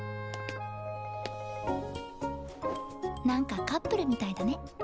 なんかカップルみたいだね。